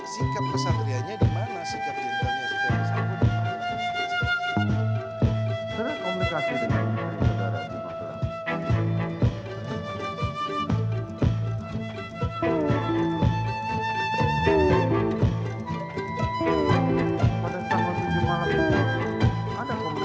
sikap pesantriannya dimana sikap jendralnya seperti yang disambung di mana